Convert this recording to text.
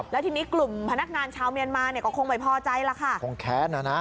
แล้วทีนี้กลุ่มพนักงานชาวเมียนมาเนี่ยก็คงไม่พอใจละค่ะ